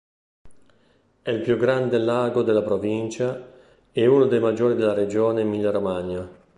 È il più grande lago della provincia e uno dei maggiori della regione Emilia-Romagna.